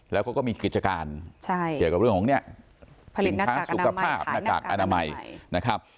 แล้วก็มีกิจการเกี่ยวกับเรื่องของสินค้าสุขภาพหน้ากากอนามัย